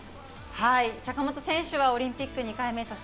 坂本選手はオリンピック２回目。